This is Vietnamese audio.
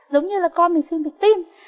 giống như là con mình sinh được tim